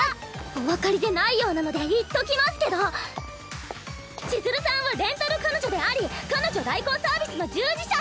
お分かりでないようなので言っときますけど千鶴さんはレンタル彼女であり彼女代行サービスの従事者。